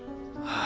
ああ。